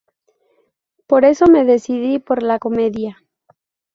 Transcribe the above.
Por eso me decidí por la comedia.